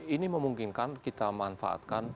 ini memungkinkan kita manfaatkan